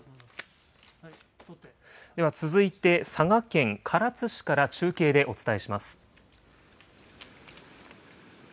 では続いて佐賀県唐津市から中継でお伝えします。